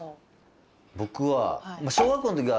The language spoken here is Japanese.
僕は。